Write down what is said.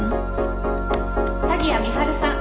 鍵谷美晴さん。